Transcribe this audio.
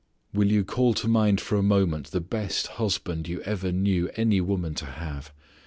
Will you call to mind for a moment the best husband you ever knew any woman to have.